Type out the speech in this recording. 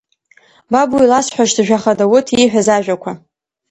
Бабу иласҳәашт, жәаха Дауҭ ииҳәаз ажәақәа…